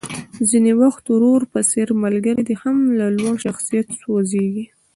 ځينې وخت ورور په څېر ملګری دې هم له لوړ شخصيت سوځېږي.